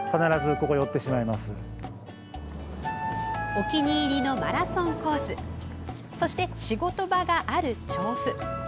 お気に入りのマラソンコースそして仕事場がある調布。